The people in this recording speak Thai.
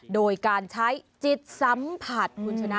โดยการใช้จิตสัมผัสคุณชนะ